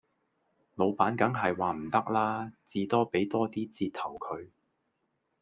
老闆梗係話唔得啦，至多俾多 d 折頭佢